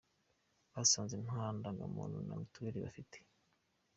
Basanze nta ndangamuntu na mitiweri afite.